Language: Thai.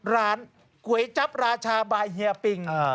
ร้านกุยจับราชาบายเฮียปิง